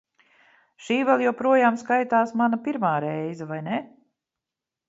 Šī vēl joprojām skaitās mana pirmā reize, vai ne?